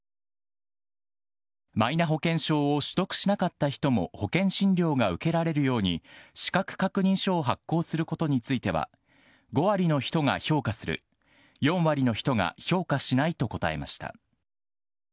マイナ保険証を取得しなかった人も保険診療が受けられるように、資格確認書を発行することについては、５割の人が評価する、４割の人が評価しないと答えました。